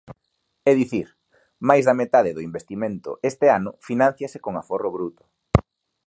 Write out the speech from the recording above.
É dicir, máis da metade do investimento este ano finánciase con aforro bruto.